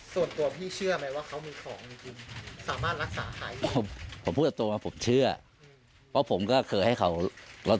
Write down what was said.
ส่วนตัวมันที่เชื่อมั้ยว่าเขามีของจริงที่สามารถรักษาพวกผมพูดตัวผมเชื่อป่ะผมก็เคยให้เขาแล้ว